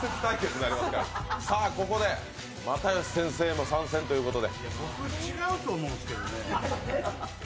さあ、ここで又吉先生も参戦ということで。